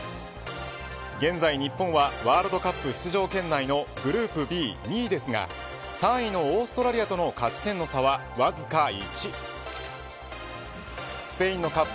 現在日本はワールドカップ出場圏内のグループＢ、２位ですが３位のオーストラリアとの勝ち点の差はわずか１。